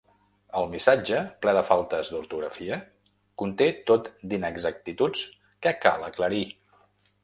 El missatge, ple de faltes d’ortografia, conté tot d’inexactituds que cal aclarir.